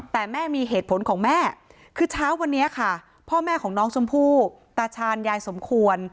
แต่แม่มีเหตุผลของแม่คือเช้าวันนี้ค่ะพ่อแม่ของน้องชมพู่ตาชาญยายสมควร